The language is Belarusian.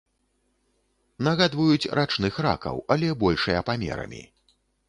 Нагадваюць рачных ракаў, але большыя памерамі.